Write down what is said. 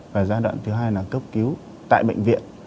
và giai đoạn thứ hai là cấp cứu tại bệnh viện